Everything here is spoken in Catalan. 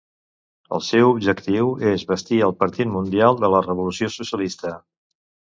El seu objectiu és bastir el Partit Mundial de la Revolució Socialista.